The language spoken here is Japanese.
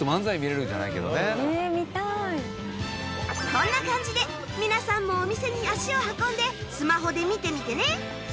こんな感じで皆さんもお店に足を運んでスマホで見てみてね！